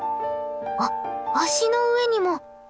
あっ足の上にも！